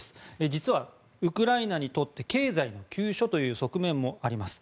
実はウクライナにとって経済の急所という側面があります。